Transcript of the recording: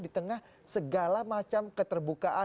di tengah segala macam keterbukaan